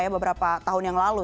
beberapa tahun yang lalu